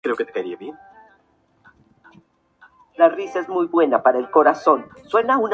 La financiación completa llegó al final de la campaña.